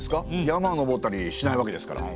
山を登ったりしないわけですから。